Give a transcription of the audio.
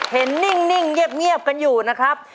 เห็นนิ่งเย็บกันอยู่นะครับ